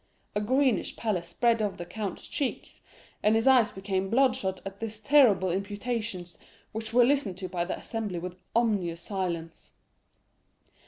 A greenish pallor spread over the count's cheeks, and his eyes became bloodshot at these terrible imputations, which were listened to by the assembly with ominous silence.